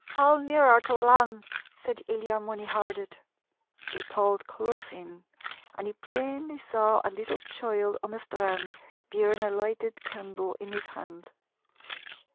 'Pull nearer to the lan',' said Illiam when he heard it. They pulled close in, and he plainly saw a little child on the strand bearing a lighted candle in his hand.